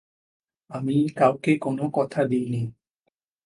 আমি কাউকে কোন কথা দিই নি।